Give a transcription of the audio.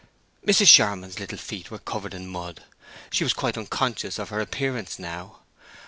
Mrs. Charmond's little feet were covered with mud; she was quite unconscious of her appearance now.